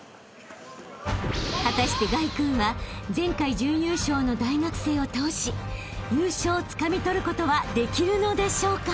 ［果たして凱君は前回準優勝の大学生を倒し優勝をつかみ取ることはできるのでしょうか？］